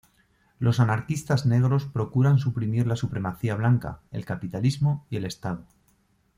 Los anarquistas negros procuran suprimir la supremacía blanca, el capitalismo, y el Estado.